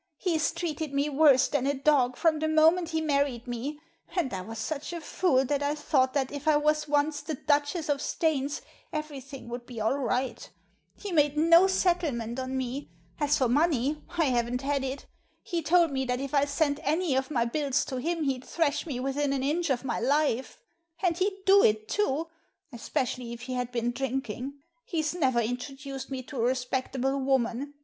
He's treated me worse than a dog from the moment Digitized by VjOOQIC 3i8 THE SEEN AND THE UNSEEN he married me, and I was such a fool that I thought that if I was once the Duchess of Staines everything would be all right He made no settlement on me, As for money, I haven't had it He told me that if I sent any of my bills to him he'd thrash me within an inch of my life. And he'd do it too, especially if he had been drinking. He's never introduced me to a respectable woman.